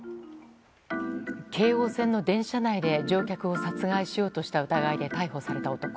京王線の電車内で乗客を殺害しようとした疑いで逮捕された男。